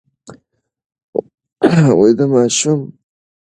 د ماشوم د پوزې بندښت ژر وڅارئ.